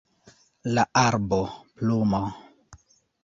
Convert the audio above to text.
La arbo, plumo